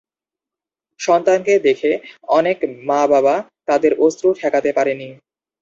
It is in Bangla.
সন্তানকে দেখে অনেক মা বাবা তাদের অশ্রু ঠেকাতে পারেননি।